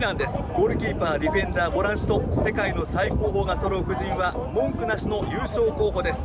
ゴールキーバー、ディフェンダー、ボランチと、世界の最高峰がそろう布陣は文句なしの優勝候補です。